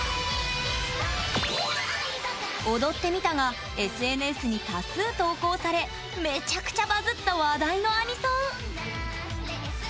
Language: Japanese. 踊ってみたがＳＮＳに多数投稿されめちゃくちゃバズッた話題のアニソン。